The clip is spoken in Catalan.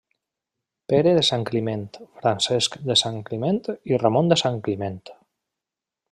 Pere de Santcliment, Francesc de Santcliment i Ramon de Santcliment.